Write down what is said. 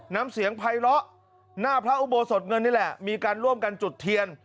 น้ำเสียงไพร้อหน้าพระอุโบสถเงินนี่แหละมีการร่วมกันจุดเทียน